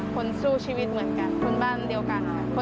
คนสู้ชีวิตเหมือนกันคนบ้านเดียวกัน